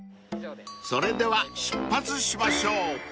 ［それでは出発しましょう］